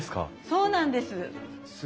そうなんです。